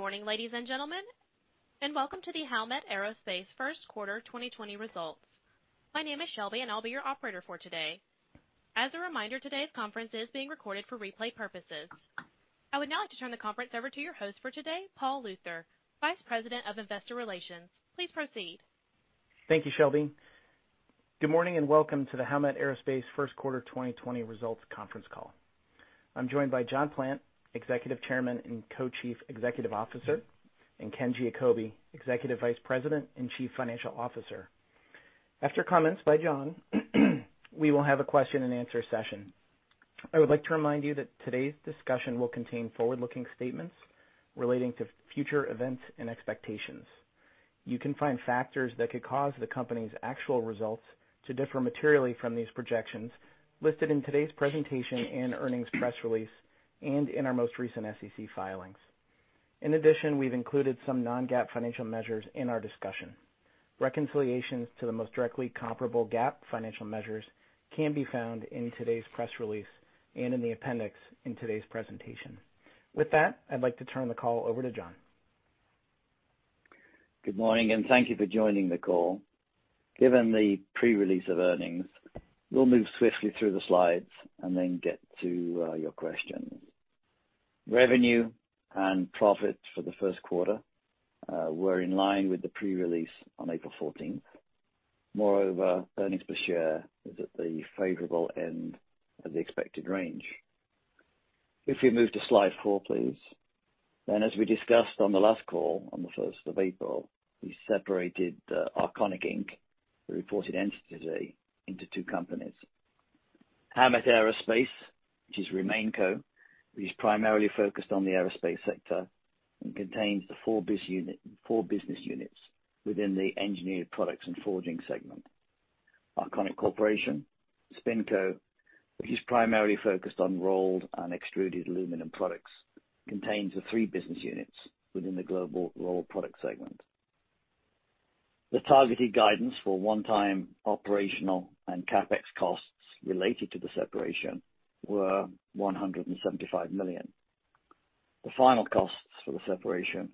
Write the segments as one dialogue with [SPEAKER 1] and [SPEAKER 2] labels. [SPEAKER 1] Good morning, ladies and gentlemen, and welcome to the Howmet Aerospace Q1 2020 results. My name is Shelby, and I'll be your operator for today. As a reminder, today's conference is being recorded for replay purposes. I would now like to turn the conference over to your host for today, Paul Luther, Vice President of Investor Relations. Please proceed.
[SPEAKER 2] Thank you, Shelby. Good morning and welcome to the Howmet Aerospace Q1 2020 results conference call. I'm joined by John Plant, Executive Chairman and Co-Chief Executive Officer, and Ken Giacobbe, Executive Vice President and Chief Financial Officer. After comments by John, we will have a question and answer session. I would like to remind you that today's discussion will contain forward-looking statements relating to future events and expectations. You can find factors that could cause the company's actual results to differ materially from these projections listed in today's presentation and earnings press release, and in our most recent SEC filings. In addition, we've included some non-GAAP financial measures in our discussion. Reconciliations to the most directly comparable GAAP financial measures can be found in today's press release and in the appendix in today's presentation. With that, I'd like to turn the call over to John.
[SPEAKER 3] Good morning, and thank you for joining the call. Given the pre-release of earnings, we'll move swiftly through the slides and then get to your questions. Revenue and profit for the Q1 were in line with the pre-release on 14 April. Moreover, earnings per share is at the favorable end of the expected range. If we move to slide four, please. Then, as we discussed on the last call on 1 April, we separated Arconic Inc., the reported entity, into two companies: Howmet Aerospace, which is Remainco, which is primarily focused on the aerospace sector and contains the four business units within the Engineered Products and Forging segment. Arconic Corporation, Spinco, which is primarily focused on rolled and extruded aluminum products, contains the three business units within the Global Rolled Products segment. The targeted guidance for one-time operational and CapEx costs related to the separation were $175 million. The final costs for the separation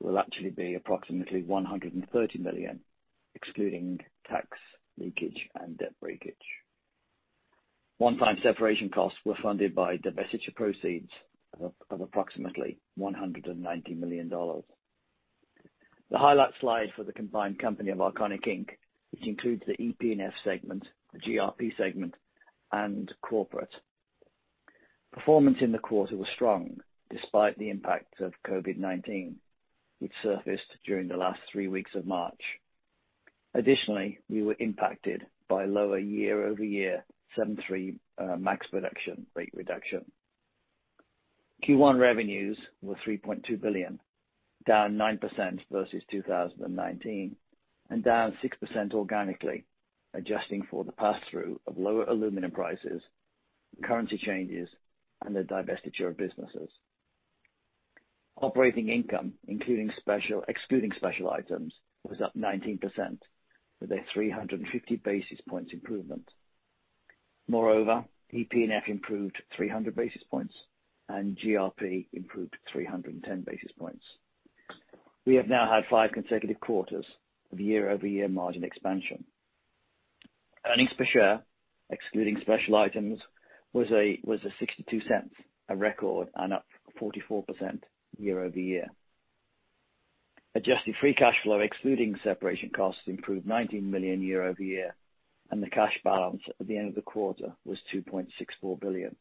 [SPEAKER 3] will actually be approximately $130 million, excluding tax, leakage, and debt breakage. One-time separation costs were funded by divestiture proceeds of approximately $190 million. The highlight slide for the combined company of Arconic Inc., which includes the EP&F segment, the GRP segment, and corporate. Performance in the quarter was strong despite the impact of COVID-19, which surfaced during the last three weeks of March. Additionally, we were impacted by lower year-over-year 737 MAX production rate reduction. Q1 revenues were $3.2 billion, down 9% versus 2019, and down 6% organically, adjusting for the pass-through of lower aluminum prices, currency changes, and the divestiture of businesses. Operating income excluding special items was up 19%, with a 350 basis points improvement. Moreover, EP&F improved 300 basis points, and GRP improved 310 basis points. We have now had five consecutive quarters of year-over-year margin expansion. Earnings per share, excluding special items, was $0.62, a record, and up 44% year-over-year. Adjusted free cash flow, excluding separation costs, improved $19 million year-over-year, and the cash balance at the end of the quarter was $2.64 billion.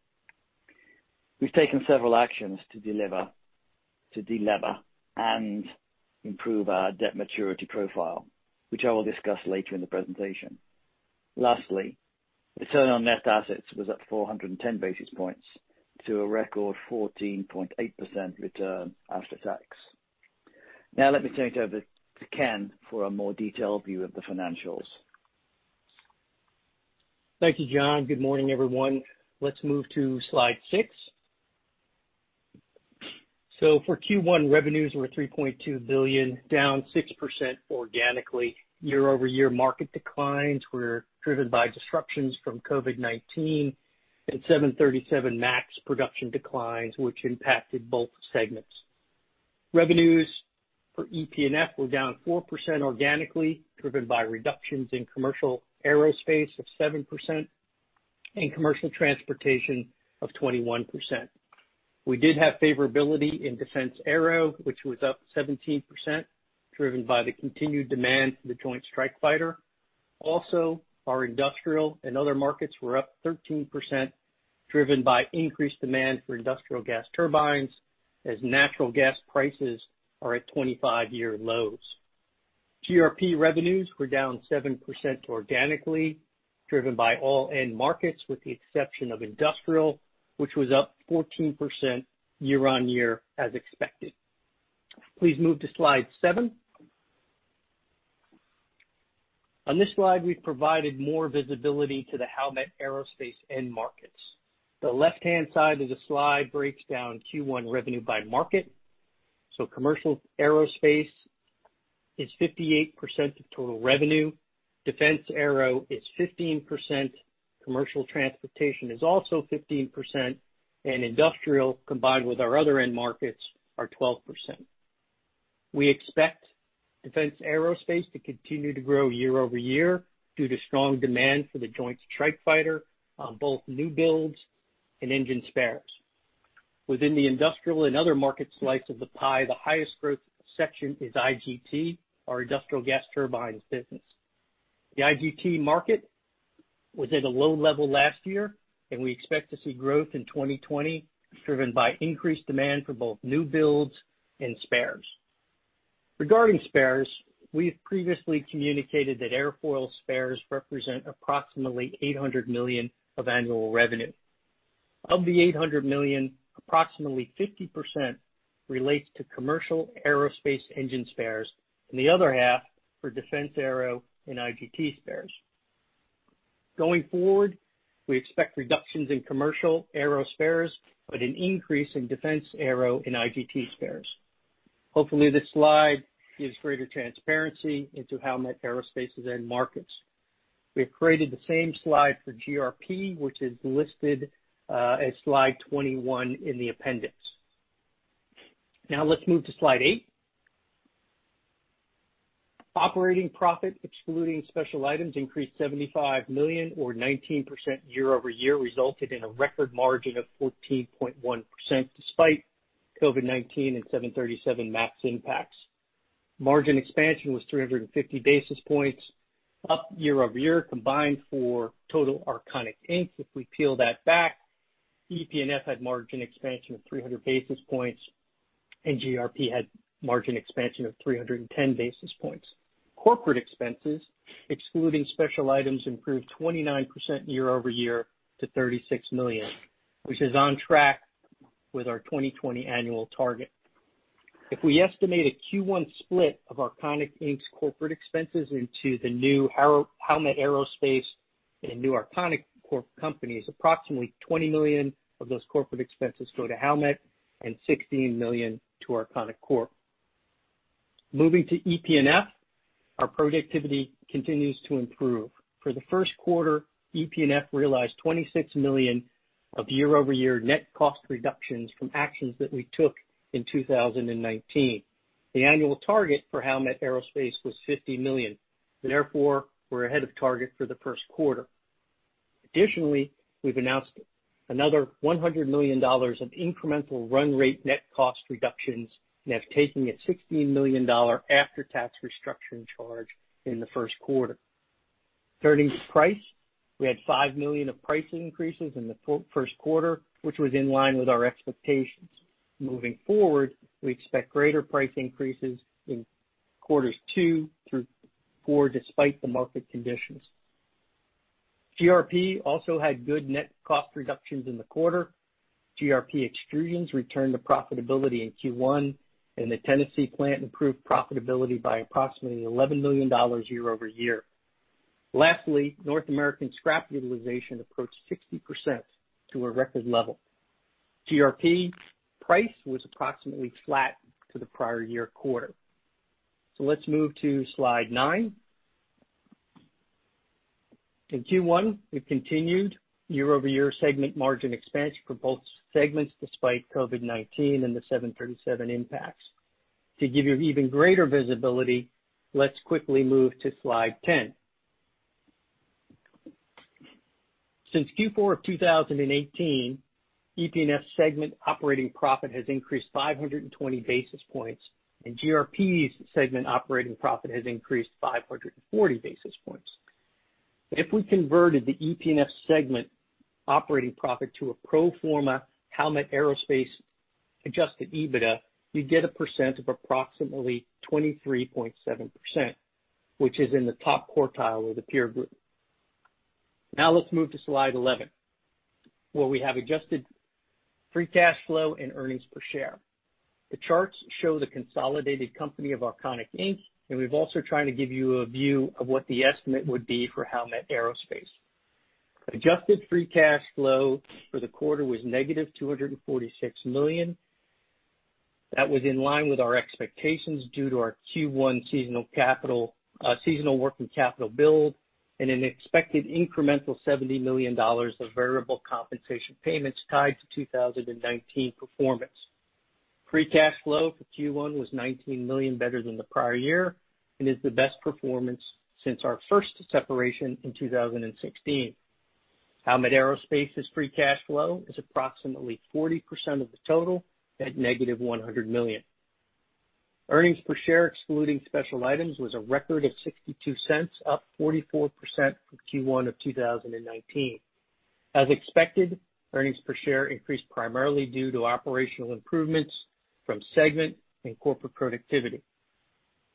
[SPEAKER 3] We've taken several actions to deliver and improve our debt maturity profile, which I will discuss later in the presentation. Lastly, return on net assets was up 410 basis points to a record 14.8% return after tax. Now, let me turn it over to Ken for a more detailed view of the financials.
[SPEAKER 4] Thank you, John. Good morning, everyone. Let's move to slide six. So for Q1, revenues were $3.2 billion, down 6% organically. Year-over-year market declines were driven by disruptions from COVID-19 and 737 MAX production declines, which impacted both segments. Revenues for EP&F were down 4% organically, driven by reductions in commercial aerospace of 7% and commercial transportation of 21%. We did have favorability in defense aero, which was up 17%, driven by the continued demand for the Joint Strike Fighter. Also, our industrial and other markets were up 13%, driven by increased demand for industrial gas turbines as natural gas prices are at 25-year lows. GRP revenues were down 7% organically, driven by all end markets with the exception of industrial, which was up 14% year-on-year as expected. Please move to slide seven. On this slide, we've provided more visibility to the Howmet Aerospace end markets. The left-hand side of the slide breaks down Q1 revenue by market. So commercial aerospace is 58% of total revenue. Defense aero is 15%. Commercial transportation is also 15%. And industrial, combined with our other end markets, are 12%. We expect defense aerospace to continue to grow year-over-year due to strong demand for the Joint Strike Fighter on both new builds and engine spares. Within the industrial and other market slice of the pie, the highest growth section is IGT, our industrial gas turbines business. The IGT market was at a low level last year, and we expect to see growth in 2020, driven by increased demand for both new builds and spares. Regarding spares, we've previously communicated that airfoil spares represent approximately $800 million of annual revenue. Of the $800 million, approximately 50% relates to commercial aerospace engine spares, and the other half for defense aero and IGT spares. Going forward, we expect reductions in commercial aero spares but an increase in defense aero and IGT spares. Hopefully, this slide gives greater transparency into Howmet Aerospace's end markets. We have created the same slide for GRP, which is listed as slide 21 in the appendix. Now, let's move to slide eight. Operating profit, excluding special items, increased $75 million, or 19% year-over-year, resulted in a record margin of 14.1% despite COVID-19 and 737 MAX impacts. Margin expansion was 350 basis points, up year-over-year combined for total Arconic Inc. If we peel that back, EP&F had margin expansion of 300 basis points, and GRP had margin expansion of 310 basis points. Corporate expenses, excluding special items, improved 29% year-over-year to $36 million, which is on track with our 2020 annual target. If we estimate a Q1 split of Arconic Inc.'s corporate expenses into the new Howmet Aerospace and new Arconic Corp companies, approximately $20 million of those corporate expenses go to Howmet and $16 million to Arconic Corp. Moving to EP&F, our productivity continues to improve. For the Q1, EP&F realized $26 million of year-over-year net cost reductions from actions that we took in 2019. The annual target for Howmet Aerospace was $50 million. Therefore, we're ahead of target for the Q1. Additionally, we've announced another $100 million of incremental run rate net cost reductions and have taken a $16 million after-tax restructuring charge in the Q1. Turning to price, we had $5 million of price increases in the Q1, which was in line with our expectations. Moving forward, we expect greater price increases in quarters two through four despite the market conditions. GRP also had good net cost reductions in the quarter. GRP extrusions returned to profitability in Q1, and the Tennessee plant improved profitability by approximately $11 million year-over-year. Lastly, North American scrap utilization approached 60% to a record level. GRP price was approximately flat to the prior year quarter. So let's move to slide nine. In Q1, we've continued year-over-year segment margin expansion for both segments despite COVID-19 and the 737 impacts. To give you even greater visibility, let's quickly move to slide ten. Since Q4 of 2018, EP&F segment operating profit has increased 520 basis points, and GRP's segment operating profit has increased 540 basis points. If we converted the EP&F segment operating profit to a pro forma Howmet Aerospace adjusted EBITDA, you'd get a percent of approximately 23.7%, which is in the top quartile of the peer group. Now, let's move to slide 11, where we have adjusted free cash flow and earnings per share. The charts show the consolidated company of Arconic Inc., and we've also tried to give you a view of what the estimate would be for Howmet Aerospace. Adjusted free cash flow for the quarter was negative $246 million. That was in line with our expectations due to our Q1 seasonal working capital build and an expected incremental $70 million of variable compensation payments tied to 2019 performance. Free cash flow for Q1 was $19 million better than the prior year and is the best performance since our first separation in 2016. Howmet Aerospace's free cash flow is approximately 40% of the total at negative $100 million. Earnings per share, excluding special items, was a record of $0.62, up 44% from Q1 of 2019. As expected, earnings per share increased primarily due to operational improvements from segment and corporate productivity.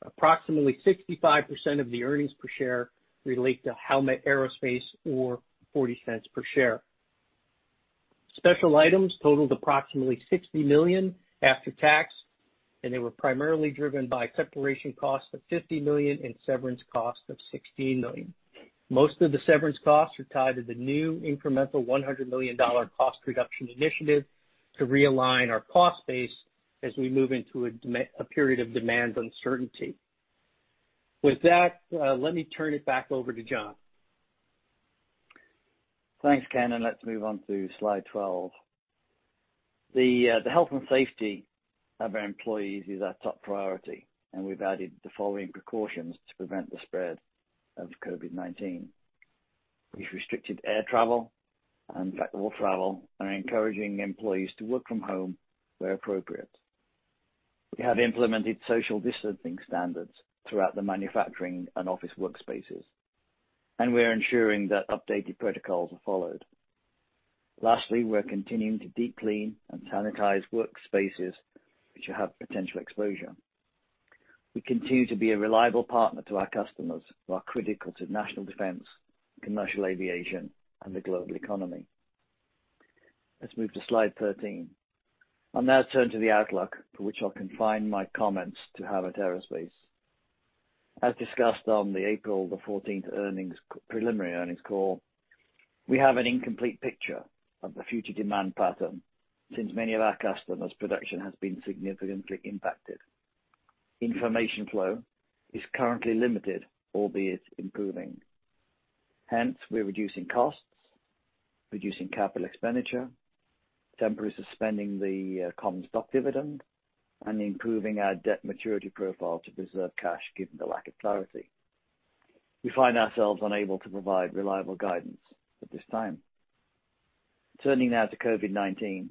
[SPEAKER 4] Approximately 65% of the earnings per share relate to Howmet Aerospace, or $0.40 per share. Special items totaled approximately $60 million after tax, and they were primarily driven by separation cost of $50 million and severance cost of $16 million. Most of the severance costs are tied to the new incremental $100 million cost reduction initiative to realign our cost base as we move into a period of demand uncertainty. With that, let me turn it back over to John.
[SPEAKER 3] Thanks, Ken. Let's move on to slide 12. The health and safety of our employees is our top priority, and we've added the following precautions to prevent the spread of COVID-19. We've restricted air travel and non-essential travel and are encouraging employees to work from home where appropriate. We have implemented social distancing standards throughout the manufacturing and office workspaces, and we're ensuring that updated protocols are followed. Lastly, we're continuing to deep clean and sanitize workspaces which have potential exposure. We continue to be a reliable partner to our customers who are critical to national defense, commercial aviation, and the global economy. Let's move to slide 13. I'll now turn to the outlook for which I'll confine my comments to Howmet Aerospace. As discussed on the April 14 preliminary earnings call, we have an incomplete picture of the future demand pattern since many of our customers' production has been significantly impacted. Information flow is currently limited, albeit improving. Hence, we're reducing costs, reducing capital expenditure, temporarily suspending the common stock dividend, and improving our debt maturity profile to preserve cash given the lack of clarity. We find ourselves unable to provide reliable guidance at this time. Turning now to COVID-19,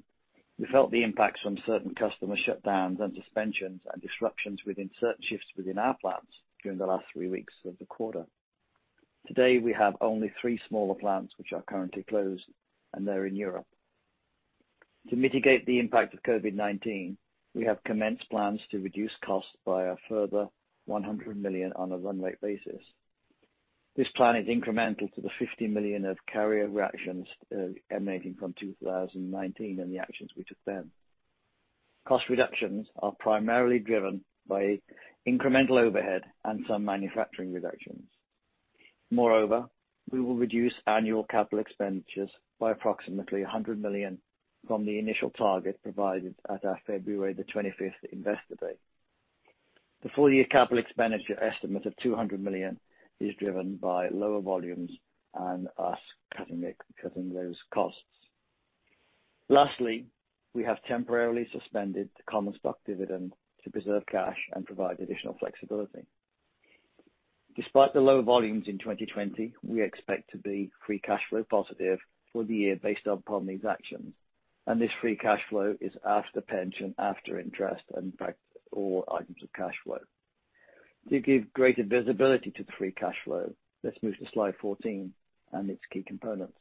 [SPEAKER 3] we felt the impacts from certain customer shutdowns and suspensions and disruptions within certain shifts within our plants during the last three weeks of the quarter. Today, we have only three smaller plants which are currently closed, and they're in Europe. To mitigate the impact of COVID-19, we have commenced plans to reduce costs by a further $100 million on a run rate basis. This plan is incremental to the $50 million of cost actions emanating from 2019 and the actions we took then. Cost reductions are primarily driven by incremental overhead and some manufacturing reductions. Moreover, we will reduce annual capital expenditures by approximately $100 million from the initial target provided at our February 25 investor day. The full-year capital expenditure estimate of $200 million is driven by lower volumes and us cutting those costs. Lastly, we have temporarily suspended the common stock dividend to preserve cash and provide additional flexibility. Despite the low volumes in 2020, we expect to be free cash flow positive for the year based upon these actions. And this free cash flow is after pension, after interest, and all items of cash flow. To give greater visibility to the free cash flow, let's move to slide 14 and its key components.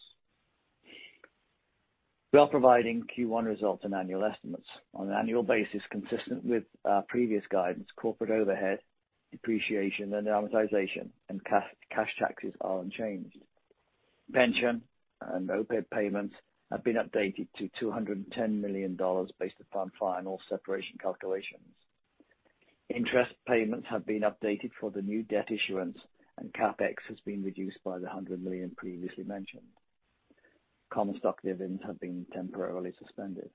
[SPEAKER 3] We are providing Q1 results and annual estimates on an annual basis consistent with our previous guidance. Corporate overhead, depreciation, and amortization, and cash taxes are unchanged. Pension and OPEB payments have been updated to $210 million based upon final separation calculations. Interest payments have been updated for the new debt issuance, and CapEx has been reduced by the $100 million previously mentioned. Common stock dividends have been temporarily suspended.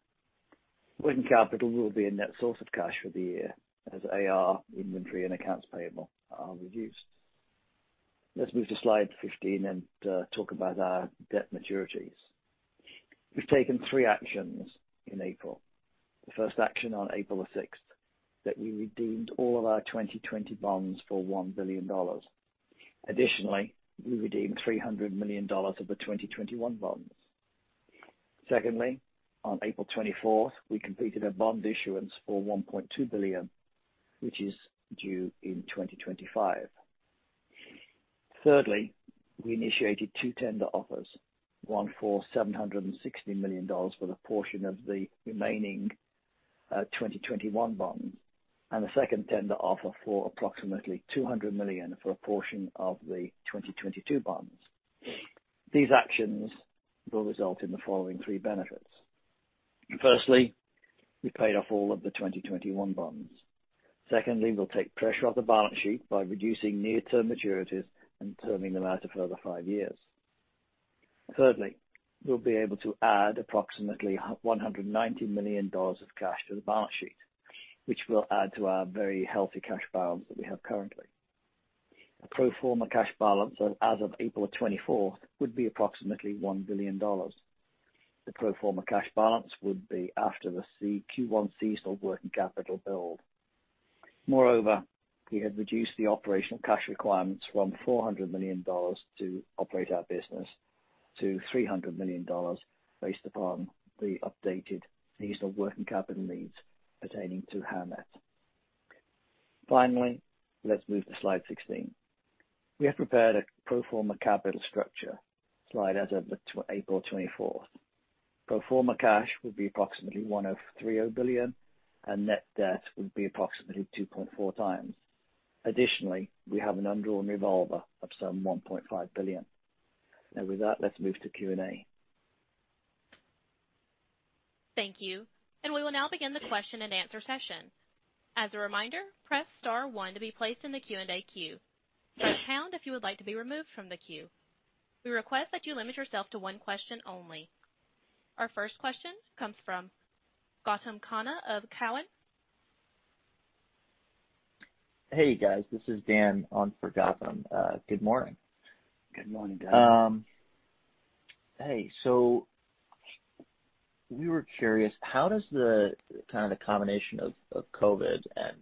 [SPEAKER 3] Working capital will be a net source of cash for the year as AR, inventory, and accounts payable are reduced. Let's move to slide 15 and talk about our debt maturities. We've taken three actions in April. The first action on 6 April, that we redeemed all of our 2020 bonds for $1 billion. Additionally, we redeemed $300 million of the 2021 bonds. Secondly, on 24 April, we completed a bond issuance for $1.2 billion, which is due in 2025. Thirdly, we initiated two tender offers, one for $760 million for the portion of the remaining 2021 bonds and a second tender offer for approximately $200 million for a portion of the 2022 bonds. These actions will result in the following three benefits. Firstly, we paid off all of the 2021 bonds. Secondly, we'll take pressure off the balance sheet by reducing near-term maturities and terming them out a further five years. Thirdly, we'll be able to add approximately $190 million of cash to the balance sheet, which will add to our very healthy cash balance that we have currently. A pro forma cash balance as of 24 April would be approximately $1 billion. The pro forma cash balance would be after the Q1 seasonal working capital build. Moreover, we have reduced the operational cash requirements from $400 million to operate our business to $300 million based upon the updated seasonal working capital needs pertaining to Howmet. Finally, let's move to slide 16. We have prepared a pro forma capital structure slide as of 24 April. Pro forma cash would be approximately $103 billion, and net debt would be approximately 2.4x. Additionally, we have an undrawn revolver of some $1.5 billion. And with that, let's move to Q&A.
[SPEAKER 1] Thank you. And we will now begin the question and answer session. As a reminder, press star one to be placed in the Q&A queue. Press pound if you would like to be removed from the queue. We request that you limit yourself to one question only. Our first question comes from Gautam Khanna of Cowen. Hey, guys. This is Dan on for Gautam. Good morning.
[SPEAKER 3] Good morning, Dan. Hey. So we were curious, how does the kind of combination of COVID and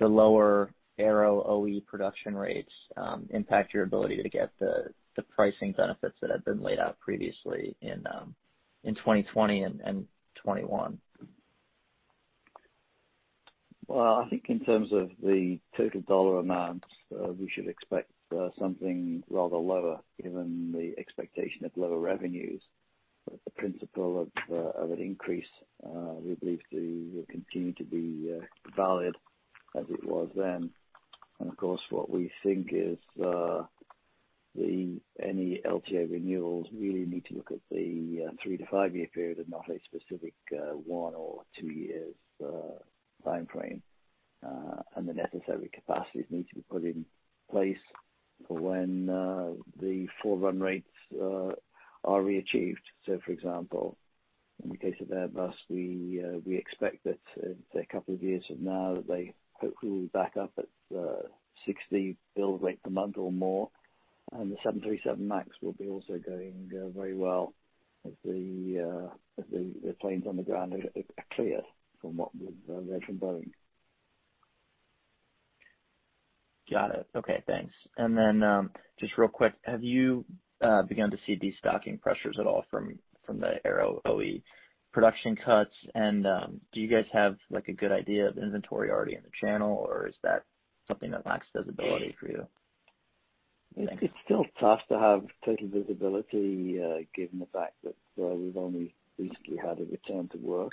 [SPEAKER 3] the lower aero OEM production rates impact your ability to get the pricing benefits that had been laid out previously in 2020 and 2021? I think in terms of the total dollar amount, we should expect something rather lower given the expectation of lower revenues. The principle of an increase we believe to continue to be valid as it was then. Of course, what we think is any LTO renewals really need to look at the three-to-five-year period and not a specific one or two-year timeframe. The necessary capacities need to be put in place for when the full run rates are reached. For example, in the case of Airbus, we expect that a couple of years from now, they hopefully will back up at 60 build rate per month or more. The 737 MAX will be also going very well as the planes on the ground are cleared from what we've read from Boeing. Got it. Okay. Thanks. And then just real quick, have you begun to see these stocking pressures at all from the aero OE production cuts? And do you guys have a good idea of inventory already in the channel, or is that something that lacks visibility for you? I think it's still tough to have total visibility given the fact that we've only recently had a return to work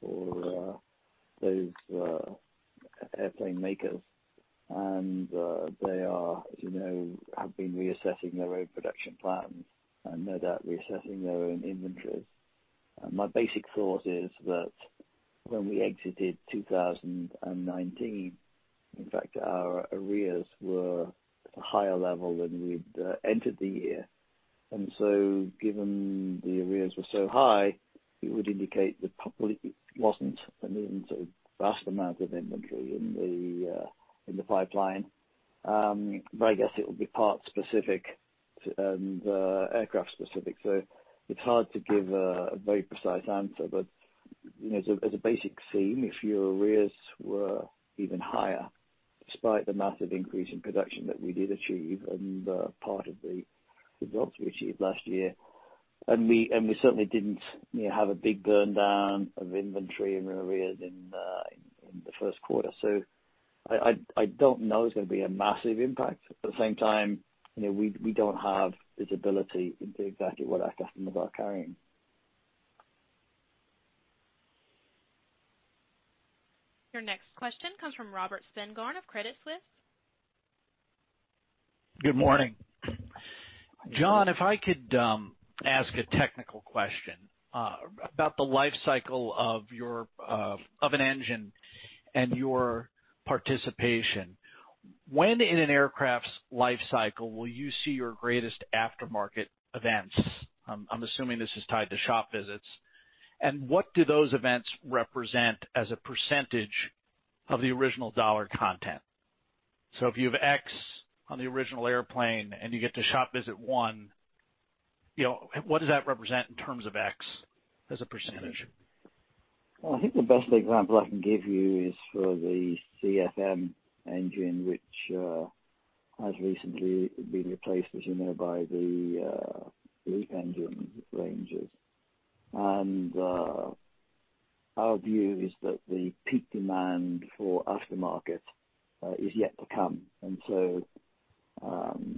[SPEAKER 3] for those airplane makers. And they have been reassessing their own production plans and no doubt reassessing their own inventories. My basic thought is that when we exited 2019, in fact, our arrears were at a higher level than we'd entered the year. And so given the arrears were so high, it would indicate that it wasn't an even so vast amount of inventory in the pipeline. But I guess it will be part specific and aircraft specific. So it's hard to give a very precise answer, but as a basic theme, if your arrears were even higher, despite the massive increase in production that we did achieve and part of the results we achieved last year, and we certainly didn't have a big burndown of inventory and arrears in the Q1. So I don't know, it's going to be a massive impact. At the same time, we don't have visibility into exactly what our customers are carrying.
[SPEAKER 1] Your next question comes from Robert Spingarn of Credit Suisse.
[SPEAKER 5] Good morning. John, if I could ask a technical question about the life cycle of an engine and your participation, when in an aircraft's life cycle will you see your greatest aftermarket events? I'm assuming this is tied to shop visits. And what do those events represent as a percentage of the original dollar content? So if you have X on the original airplane and you get to shop visit one, what does that represent in terms of X as a percentage?
[SPEAKER 3] Well, I think the best example I can give you is for the CFM engine, which has recently been replaced, as you know, by the LEAP engine ranges. And our view is that the peak demand for aftermarket is yet to come. And so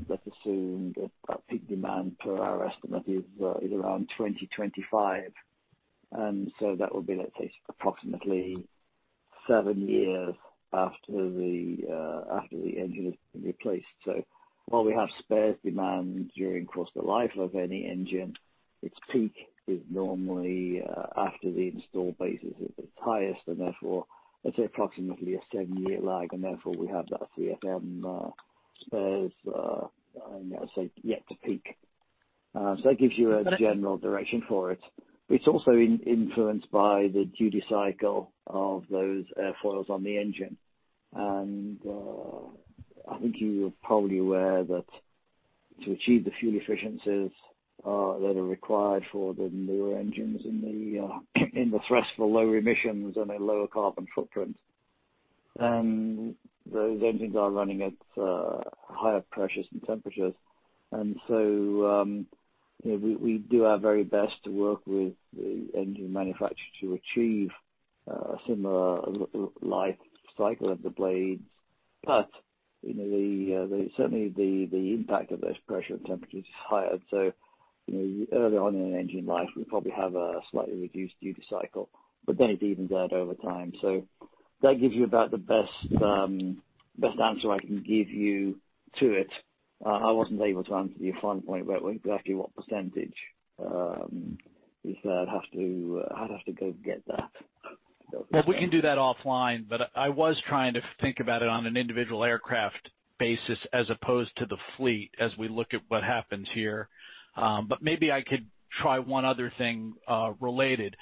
[SPEAKER 3] let's assume that peak demand per our estimate is around 2025. And so that will be, let's say, approximately seven years after the engine has been replaced. So while we have spares demand during the course of the life of any engine, its peak is normally after the installed base is highest, and therefore, let's say, approximately a seven-year lag. And therefore, we have that CFM spares yet to peak. So that gives you a general direction for it. It's also influenced by the duty cycle of those airfoils on the engine. And I think you're probably aware that to achieve the fuel efficiencies that are required for the newer engines in the threats for low emissions and a lower carbon footprint, those engines are running at higher pressures and temperatures. And so we do our very best to work with the engine manufacturer to achieve a similar life cycle of the blades. But certainly, the impact of those pressure and temperatures is higher. So early on in an engine life, we probably have a slightly reduced duty cycle, but then it evens out over time. So that gives you about the best answer I can give you to it. I wasn't able to answer your final point about exactly what percentage that is. I'd have to go get that.
[SPEAKER 5] We can do that offline, but I was trying to think about it on an individual aircraft basis as opposed to the fleet as we look at what happens here. Maybe I could try one other thing related.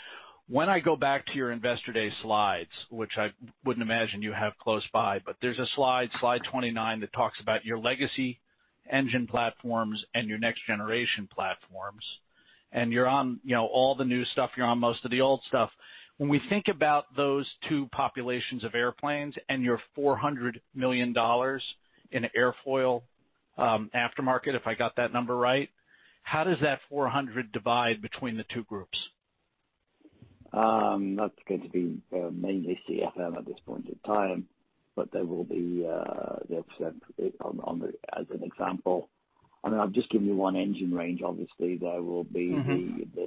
[SPEAKER 5] When I go back to your investor day slides, which I wouldn't imagine you have close by, but there's a slide, slide 29, that talks about your legacy engine platforms and your next generation platforms. You're on all the new stuff. You're on most of the old stuff. When we think about those two populations of airplanes and your $400 million in airfoil aftermarket, if I got that number right, how does that 400 divide between the two groups?
[SPEAKER 3] That's going to be mainly CFM at this point in time, but there will be the A320 as an example. I mean, I've just given you one engine range. Obviously, there will be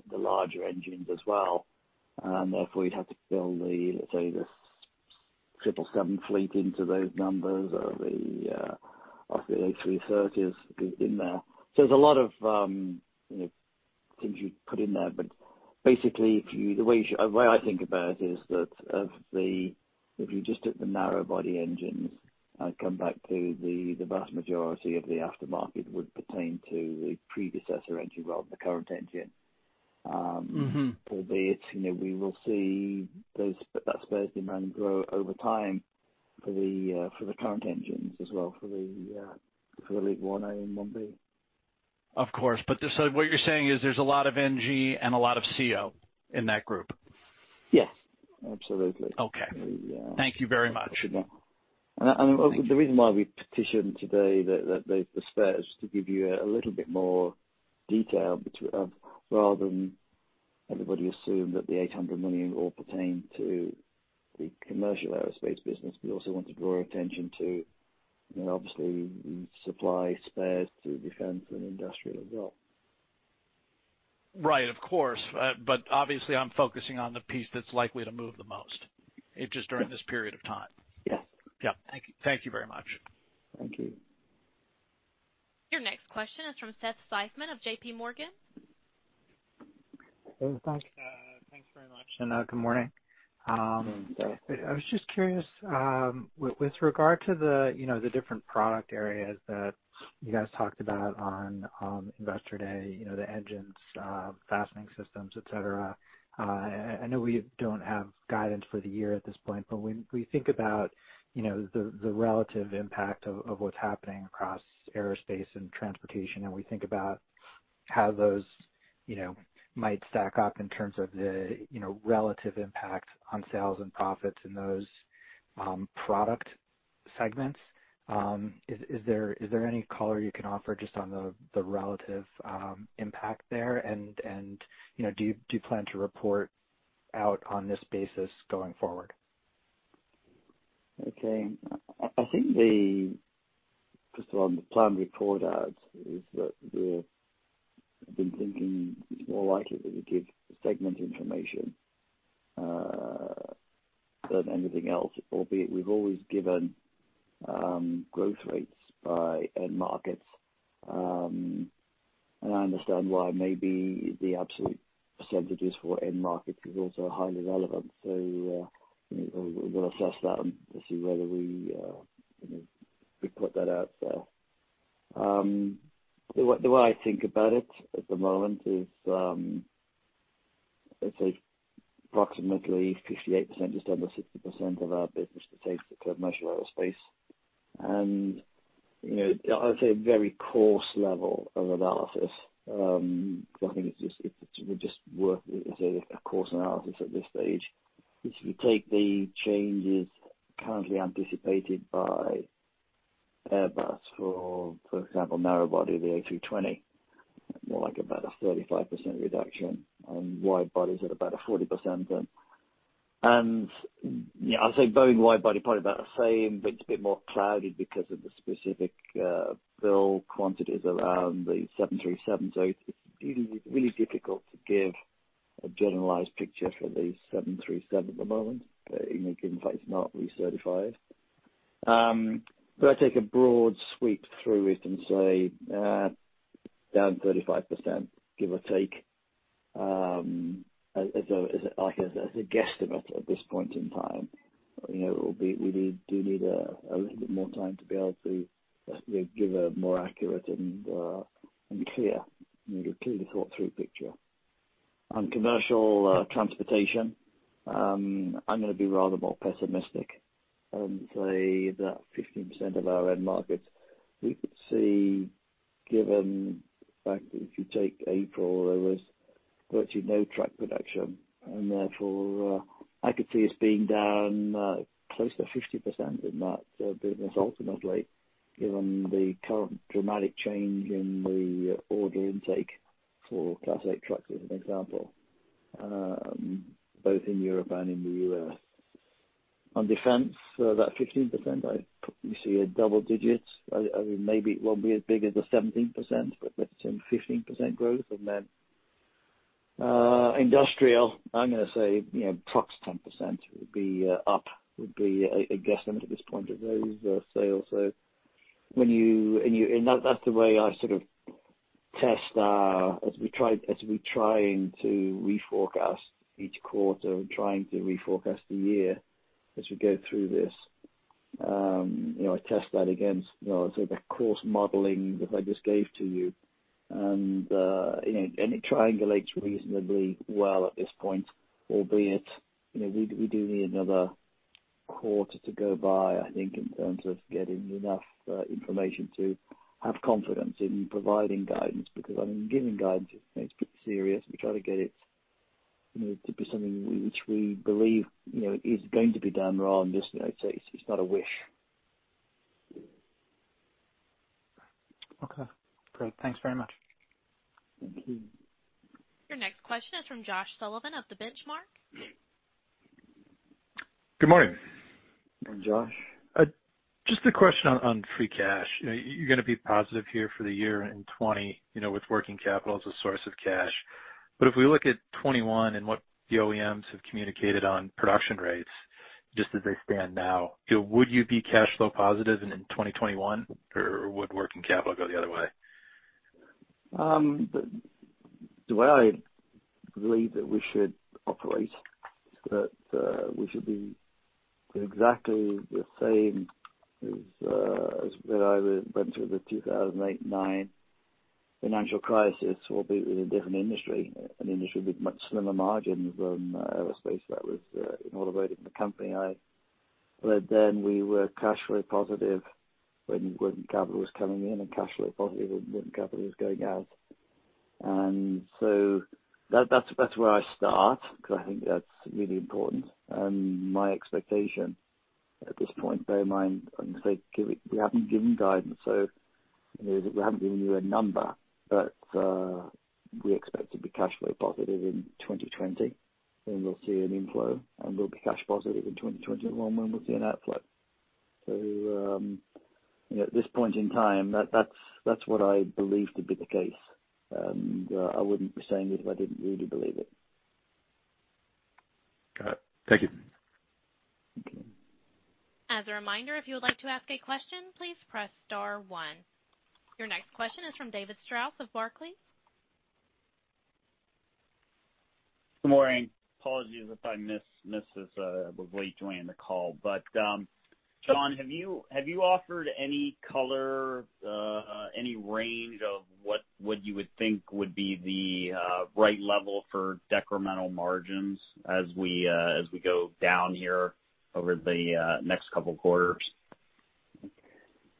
[SPEAKER 3] the larger engines as well. And therefore, you'd have to fill the, let's say, the 777 fleet into those numbers of the A330s in there. So there's a lot of things you'd put in there. But basically, the way I think about it is that if you just took the narrow body engines and come back to the vast majority of the aftermarket would pertain to the predecessor engine, rather than the current engine. Albeit, we will see that spares demand grow over time for the current engines as well for the LEAP 1A and 1B.
[SPEAKER 5] Of course. But so what you're saying is there's a lot of NG and a lot of CO in that group?
[SPEAKER 3] Yes. Absolutely.
[SPEAKER 5] Okay. Thank you very much.
[SPEAKER 3] The reason why we mentioned today that there's the spares is to give you a little bit more detail rather than everybody assume that the $800 million all pertain to the commercial aerospace business. We also want to draw attention to, obviously, supply spares to defense and industrial as well.
[SPEAKER 5] Right. Of course. But obviously, I'm focusing on the piece that's likely to move the most just during this period of time.
[SPEAKER 3] Yes.
[SPEAKER 5] Yep. Thank you very much.
[SPEAKER 3] Thank you.
[SPEAKER 1] Your next question is from Seth Seifman of JPMorgan.
[SPEAKER 6] Thanks. Thanks very much. Good morning. I was just curious with regard to the different product areas that you guys talked about on investor day, the engines, fastening systems, etc. I know we don't have guidance for the year at this point, but when we think about the relative impact of what's happening across aerospace and transportation, and we think about how those might stack up in terms of the relative impact on sales and profits in those product segments, is there any color you can offer just on the relative impact there? And do you plan to report out on this basis going forward?
[SPEAKER 3] Okay. I think the first of all, the planned report out is that we've been thinking it's more likely that we give segment information than anything else, albeit we've always given growth rates by end markets. And I understand why maybe the absolute percentages for end markets is also highly relevant. So we'll assess that and see whether we put that out there. The way I think about it at the moment is, let's say, approximately 58%, just under 60% of our business pertains to commercial aerospace. And I would say a very coarse level of analysis. I think it's just worth a coarse analysis at this stage. If you take the changes currently anticipated by Airbus for example, narrow body, the A320, more like about a 35% reduction and wide bodies at about a 40%. I'd say Boeing wide body probably about the same, but it's a bit more cloudy because of the specific build quantities around the 737. So it's really difficult to give a generalized picture for the 737 at the moment, given the fact it's not recertified. But I take a broad sweep through it and say down 35%, give or take, as a guesstimate at this point in time. We do need a little bit more time to be able to give a more accurate and clear thought-through picture. On commercial transportation, I'm going to be rather more pessimistic and say that 15% of our end markets, we could see, given the fact that if you take April, there was virtually no truck production. And therefore, I could see us being down close to 50% in that business ultimately, given the current dramatic change in the order intake for Class 8 trucks, as an example, both in Europe and in the US. On defense, that 15%, you see a double-digit. Maybe it won't be as big as the 17%, but let's assume 15% growth. And then industrial, I'm going to say trucks 10% would be up, would be a guesstimate at this point of those sales. So when you and that's the way I sort of test as we try to reforecast each quarter and trying to reforecast the year as we go through this. I test that against the coarse modeling that I just gave to you. And it triangulates reasonably well at this point, albeit we do need another quarter to go by, I think, in terms of getting enough information to have confidence in providing guidance. Because I mean, giving guidance is serious. We try to get it to be something which we believe is going to be done rather than just, let's say, it's not a wish.
[SPEAKER 6] Okay. Great. Thanks very much.
[SPEAKER 3] Thank you.
[SPEAKER 1] Your next question is from Josh Sullivan of the Benchmark.
[SPEAKER 7] Good morning.
[SPEAKER 3] And Josh?
[SPEAKER 7] Just a question on free cash. You're going to be positive here for the year in 2020 with working capital as a source of cash. But if we look at 2021 and what the OEMs have communicated on production rates just as they stand now, would you be cash flow positive in 2021, or would working capital go the other way?
[SPEAKER 3] The way I believe that we should operate, that we should be exactly the same as when I went through the 2008, 2009 financial crisis, albeit with a different industry, an industry with much slimmer margins than aerospace that was in automotive in the company. But then we were cash flow positive when working capital was coming in and cash flow positive when working capital was going out, and so that's where I start because I think that's really important, and my expectation at this point, bear in mind, I'm going to say we haven't given guidance, so we haven't given you a number, but we expect to be cash flow positive in 2020, and we'll see an inflow, and we'll be cash positive in 2021 when we see an outflow, so at this point in time, that's what I believe to be the case. I wouldn't be saying this if I didn't really believe it.
[SPEAKER 7] Got it. Thank you.
[SPEAKER 1] As a reminder, if you would like to ask a question, please press star one. Your next question is from David Strauss of Barclays.
[SPEAKER 8] Good morning. Apologies if I missed this as I was late joining the call, but John, have you offered any color, any range of what you would think would be the right level for decremental margins as we go down here over the next couple of quarters?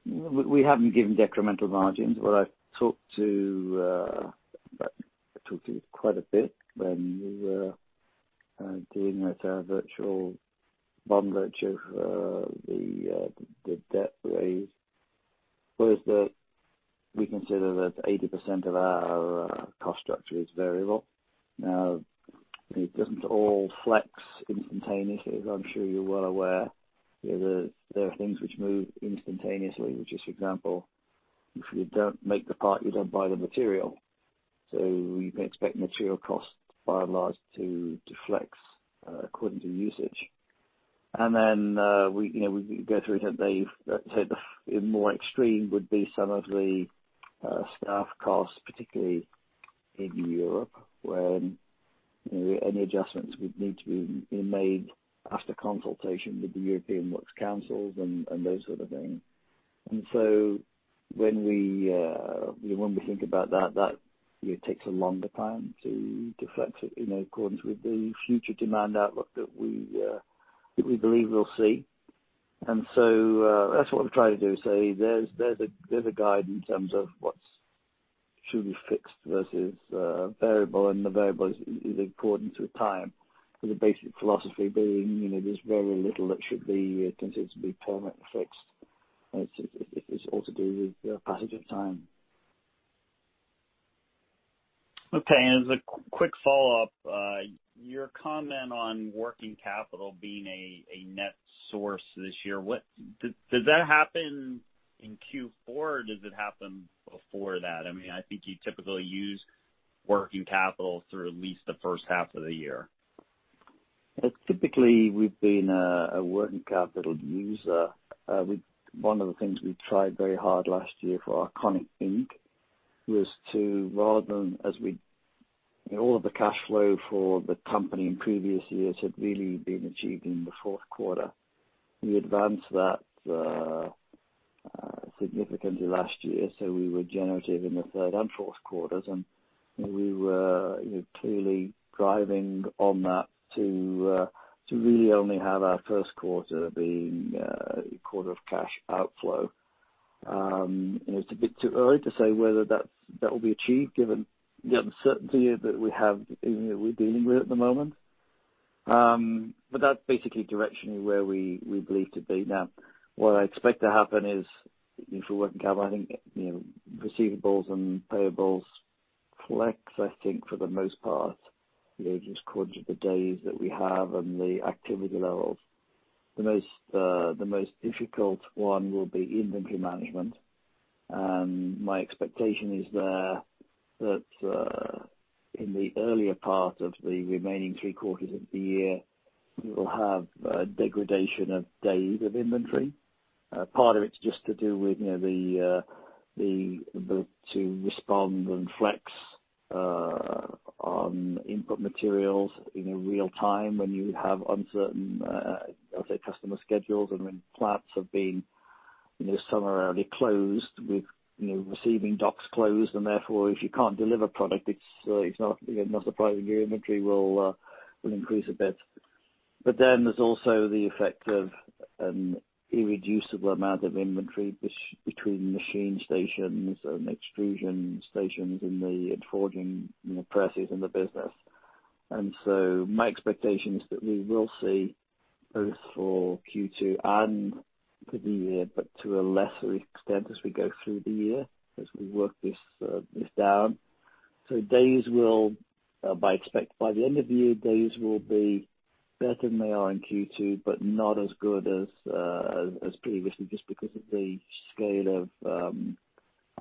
[SPEAKER 3] We haven't given decremental margins, but I've talked to, I talked to you quite a bit when we were doing that virtual bond letter of the debt raise. Well, we consider that 80% of our cost structure is variable. Now, it doesn't all flex instantaneously, as I'm sure you're well aware. There are things which move instantaneously, which is, for example, if you don't make the part, you don't buy the material. So you can expect material costs by and large to flex according to usage. And then we go through that they say the more extreme would be some of the staff costs, particularly in Europe, when any adjustments would need to be made after consultation with the European works councils and those sort of things. And so when we think about that, that takes a longer time to flex according to the future demand outlook that we believe we'll see. And so that's what we're trying to do. So there's a guide in terms of what should be fixed versus variable, and the variable is the importance of time. The basic philosophy being there's very little that should be considered to be permanently fixed. It's all to do with the passage of time.
[SPEAKER 8] Okay. As a quick follow-up, your comment on working capital being a net source this year, does that happen in Q4, or does it happen before that? I mean, I think you typically use working capital through at least the first half of the year.
[SPEAKER 3] Typically, we've been a working capital user. One of the things we tried very hard last year for our Howmet Inc. was to, rather than as well all of the cash flow for the company in previous years had really been achieved in the Q4, we advanced that significantly last year, so we were generative in the Q3 and Q4s, and we were clearly driving on that to really only have our Q1 being a quarter of cash outflow. It's a bit too early to say whether that will be achieved given the uncertainty that we have dealing with at the moment, but that's basically directionally where we believe to be. Now, what I expect to happen is for working capital, I think receivables and payables flex, I think, for the most part, just according to the days that we have and the activity levels. The most difficult one will be inventory management. And my expectation is that in the earlier part of the remaining three quarters of the year, we will have degradation of days of inventory. Part of it's just to do with the ability to respond and flex on input materials in real time when you have uncertain, I'll say, customer schedules and when plants have been summarily closed with receiving docks closed. And therefore, if you can't deliver product, it's not surprising your inventory will increase a bit. But then there's also the effect of an irreducible amount of inventory between machine stations and extrusion stations and forging presses in the business. And so my expectation is that we will see both for Q2 and for the year, but to a lesser extent as we go through the year as we work this down. So by expecting by the end of the year, days will be better than they are in Q2, but not as good as previously just because of the scale of,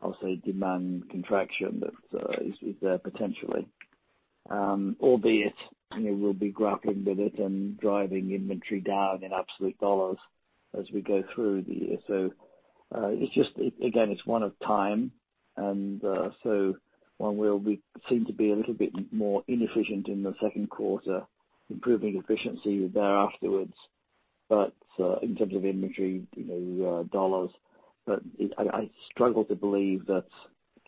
[SPEAKER 3] I'll say, demand contraction that is there potentially. Albeit we'll be grappling with it and driving inventory down in absolute dollars as we go through the year. So it's just, again, it's one of time. And so one will seem to be a little bit more inefficient in the Q2, improving efficiency thereafterwards. But in terms of inventory dollars, I struggle to believe that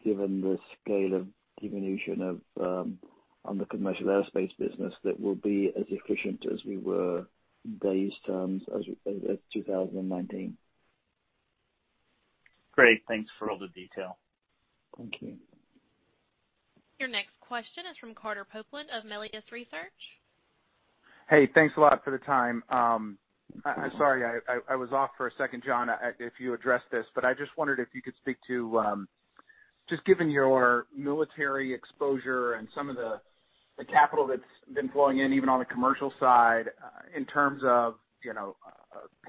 [SPEAKER 3] given the scale of diminution on the commercial aerospace business, that we'll be as efficient as we were in days' terms as 2019.
[SPEAKER 8] Great. Thanks for all the detail.
[SPEAKER 3] Thank you.
[SPEAKER 1] Your next question is from Carter Copeland of Melius Research.
[SPEAKER 9] Hey, thanks a lot for the time. I'm sorry, I was off for a second, John, if you addressed this. But I just wondered if you could speak to just given your military exposure and some of the capital that's been flowing in, even on the commercial side, in terms of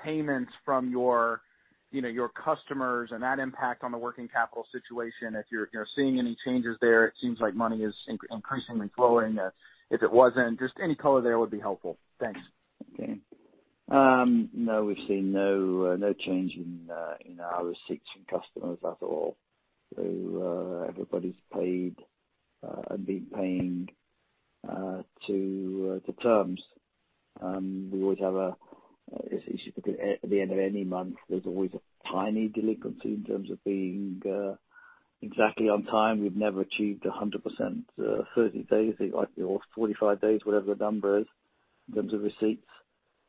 [SPEAKER 9] payments from your customers and that impact on the working capital situation. If you're seeing any changes there, it seems like money is increasingly flowing. If it wasn't, just any color there would be helpful. Thanks.
[SPEAKER 3] Okay. No, we've seen no change in our receipts from customers at all, so everybody's paid and been paying to terms. We always have a, if you look at the end of any month, there's always a tiny delinquency in terms of being exactly on time. We've never achieved 100% 30 days or 45 days, whatever the number is, in terms of receipts,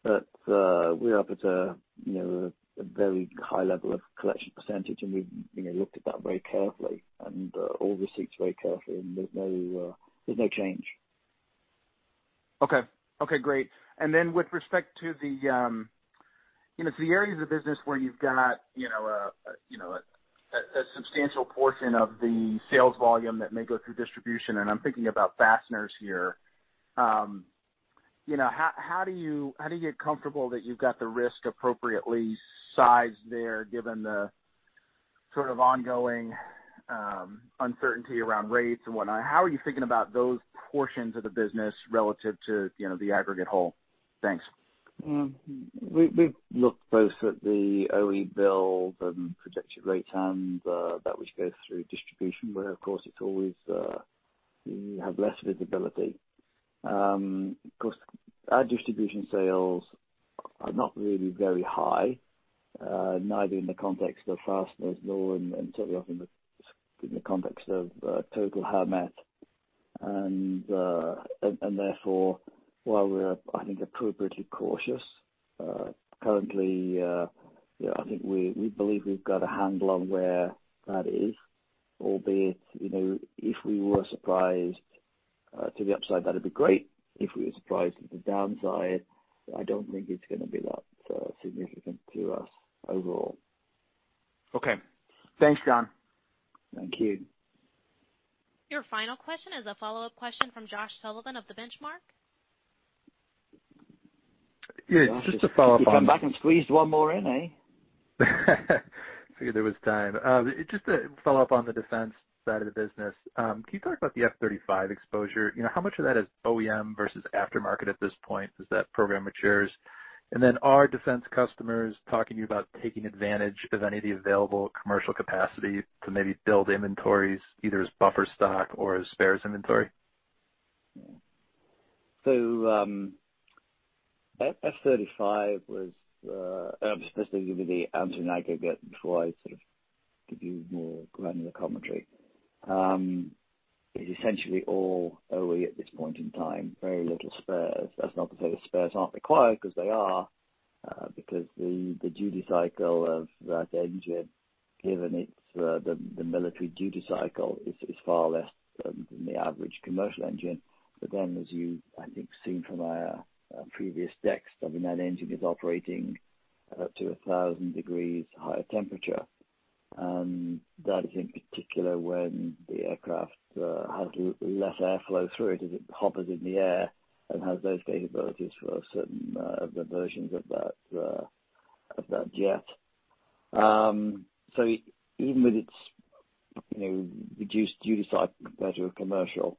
[SPEAKER 3] but we're up at a very high level of collection percentage, and we've looked at that very carefully and all receipts very carefully, and there's no change.
[SPEAKER 9] Okay. Okay. Great. And then with respect to the areas of the business where you've got a substantial portion of the sales volume that may go through distribution, and I'm thinking about fasteners here, how do you get comfortable that you've got the risk appropriately sized there given the sort of ongoing uncertainty around rates and whatnot? How are you thinking about those portions of the business relative to the aggregate whole? Thanks.
[SPEAKER 3] We've looked both at the OE build and projected rates and that which goes through distribution, where, of course, it's always you have less visibility. Of course, our distribution sales are not really very high, neither in the context of fasteners nor in the context of total Howmet. And therefore, while we're, I think, appropriately cautious currently, I think we believe we've got a handle on where that is, albeit if we were surprised to the upside, that would be great. If we were surprised to the downside, I don't think it's going to be that significant to us overall.
[SPEAKER 9] Okay. Thanks, John.
[SPEAKER 3] Thank you.
[SPEAKER 1] Your final question is a follow-up question from Josh Sullivan of the Benchmark.
[SPEAKER 7] Yeah. Just a follow-up on.
[SPEAKER 4] You've gone back and squeezed one more in.
[SPEAKER 7] I figured there was time. Just to follow up on the defense side of the business, can you talk about the F-35 exposure? How much of that is OEM versus aftermarket at this point as that program matures? And then are defense customers talking to you about taking advantage of any of the available commercial capacity to maybe build inventories either as buffer stock or as spares inventory?
[SPEAKER 3] I'm supposed to give you the answer now, I guess, before I sort of give you more granular commentary. It's essentially all OE at this point in time, very little spares. That's not to say the spares aren't required because they are, because the duty cycle of that engine, given the military duty cycle, is far less than the average commercial engine. But then, as you, I think, seen from our previous decks, I mean, that engine is operating up to 1,000 degrees higher temperature, and that is in particular when the aircraft has less airflow through it as it hovers in the air and has those capabilities for certain versions of that jet. So even with its reduced duty cycle compared to a commercial,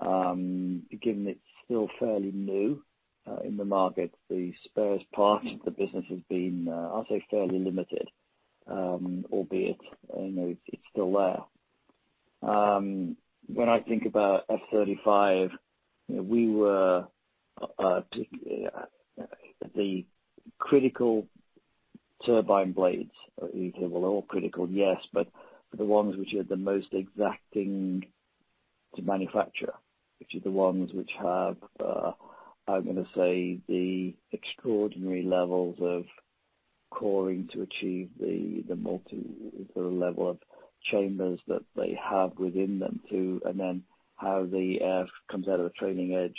[SPEAKER 3] given it's still fairly new in the market, the spares part of the business has been, I'll say, fairly limited, albeit it's still there. When I think about F-35, we were the critical turbine blades. You say, "Well, all critical, yes," but the ones which are the most exacting to manufacture, which are the ones which have, I'm going to say, the extraordinary levels of coring to achieve the level of chambers that they have within them too, and then how the air comes out of the trailing edge.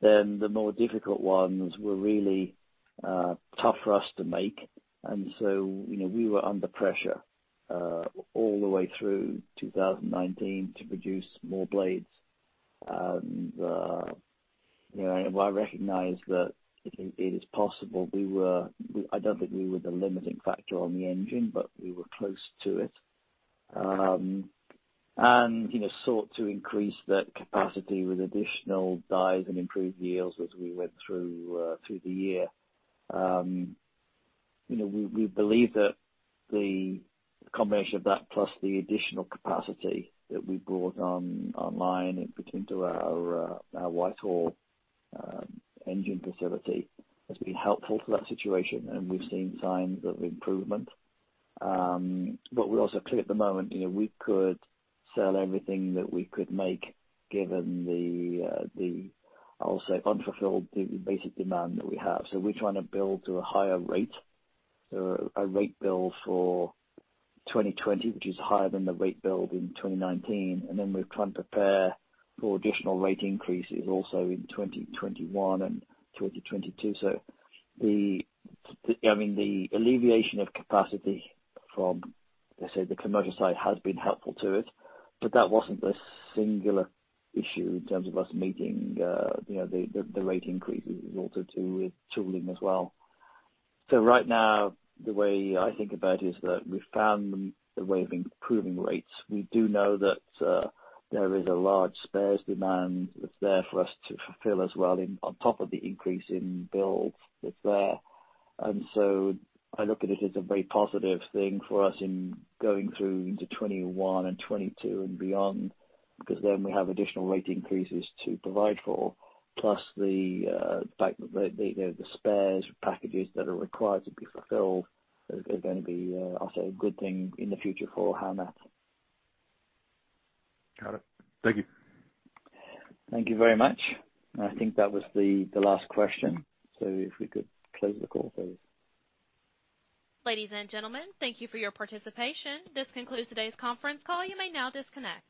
[SPEAKER 3] Then the more difficult ones were really tough for us to make. And so we were under pressure all the way through 2019 to produce more blades. And I recognize that it is possible. I don't think we were the limiting factor on the engine, but we were close to it and sought to increase that capacity with additional dies and improved yields as we went through the year. We believe that the combination of that plus the additional capacity that we brought online into our Whitehall engine facility has been helpful to that situation, and we've seen signs of improvement. But we're also clear at the moment we could sell everything that we could make given the, I'll say, unfulfilled basic demand that we have. So we're trying to build to a higher rate, a build rate for 2020, which is higher than the build rate in 2019. And then we're trying to prepare for additional rate increases also in 2021 and 2022. So I mean, the alleviation of capacity from, let's say, the commercial side has been helpful to us, but that wasn't the singular issue in terms of us meeting the rate increases. It is also to do with tooling as well. So right now, the way I think about it is that we've found the way of improving rates. We do know that there is a large spares demand that's there for us to fulfill as well on top of the increase in builds that's there. And so I look at it as a very positive thing for us in going through into 2021 and 2022 and beyond because then we have additional rate increases to provide for, plus the fact that the spares packages that are required to be fulfilled are going to be, I'll say, a good thing in the future for Howmet.
[SPEAKER 7] Got it. Thank you.
[SPEAKER 3] Thank you very much. And I think that was the last question. So if we could close the call, please.
[SPEAKER 1] Ladies and gentlemen, thank you for your participation. This concludes today's conference call. You may now disconnect.